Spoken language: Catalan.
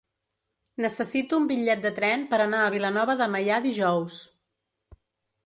Necessito un bitllet de tren per anar a Vilanova de Meià dijous.